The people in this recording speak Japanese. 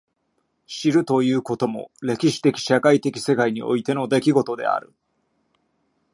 知るということも歴史的社会的世界においての出来事である。